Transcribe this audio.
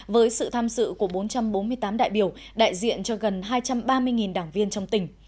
với sự tham dự của bốn trăm bốn mươi tám đại biểu đại diện cho gần hai trăm ba mươi đảng viên trong tỉnh